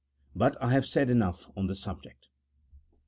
But I have said enough on this subject.